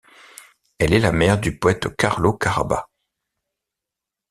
Elle est la mère du poète Carlo Carabba.